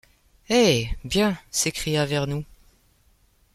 Eh ! bien, s’écria Vernou